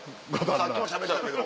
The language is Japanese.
さっきもしゃべってたけど。